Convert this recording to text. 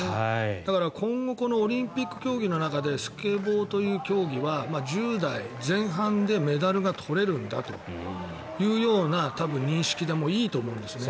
だから今後オリンピック競技の中でスケボーという競技は１０代前半でメダルが取れるんだというような認識でいいと思うんですね。